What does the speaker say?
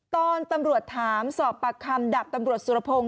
ตอนตำรวจถามสอบปากคำดับตำรวจสุรพงศ